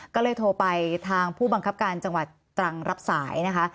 ก็เลยโทรไปทางผู้บังคับการจังหวัดตรังรับสายนะคะ